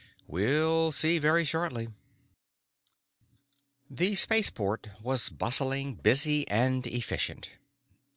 "We'll see very shortly." The spaceport was bustling, busy, and efficient.